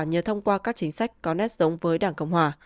nhờ thông qua các chính sách có nét giống với đảng cộng hòa